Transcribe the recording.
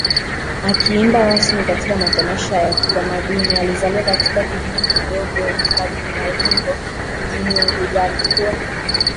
akiimba rasmi katika matamasha ya kitamadauni Alizaliwa katika kijiji kidoko Mfagimalingo mjini Unguja alikuwa